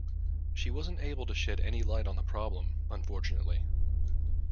She wasn’t able to shed any light on the problem, unfortunately.